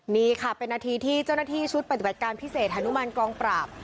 นี่ค่ะเป็นนาทีที่เจ้าหน้าที่ชุดปฏิบัติการพิเศษฮานุมานกองปราบ